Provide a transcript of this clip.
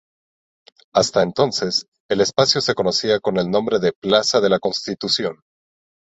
Hasta entonces, el espacio se conocía con el nombre de plaza de la Constitución.